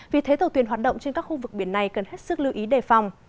vì thế tàu thuyền hoạt động trên các khu vực biển này cần hết sức lưu ý đề phòng